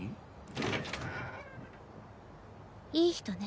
いい人ね。